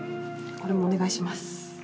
これもお願いします。